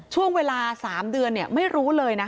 ช่วงเวลาสามเดือนเนี้ยไม่รู้เลยน่ะ